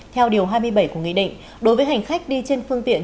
theo điều hai mươi bảy của nghị định đối với hành khách đi trên phương tiện